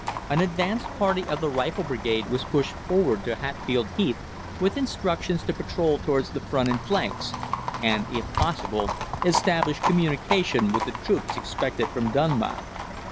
An advanced party of the Rifle Brigade was pushed forward to Hatfield Heath with instructions to patrol towards the front and flanks, and, if possible, establish communication with the troops expected from Dunmow.